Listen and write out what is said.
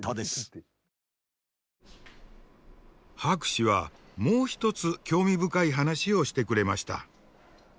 博士はもう一つ興味深い話をしてくれました。